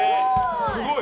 すごい。